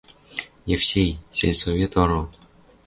Евсей, сельсовет орол.